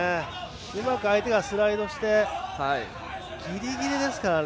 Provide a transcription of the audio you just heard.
うまく相手がスライドしてギリギリですからね。